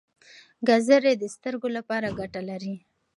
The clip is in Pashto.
ګازرې د سترګو لپاره ګټه لري.